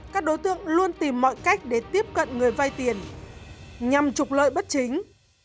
các đối tượng luôn tìm mọi cách để tiếp cận người vay tiền nhằm trục lợi bất chính